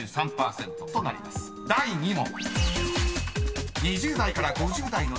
［第２問］